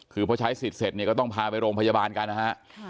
คือพอใช้สิทธิ์เสร็จเนี่ยก็ต้องพาไปโรงพยาบาลกันนะฮะ